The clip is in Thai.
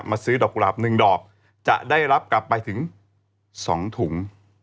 ซื้อดอกกุหลาบ๑ดอกจะได้รับกลับไปถึง๒ถุง